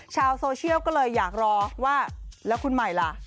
ชาวโซเชียลก็เลยอยากรอว่าแล้วคุณใหม่ล่ะ